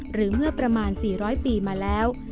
หรือเมื่อประมาณ๔๐๐ปีมาแล้ว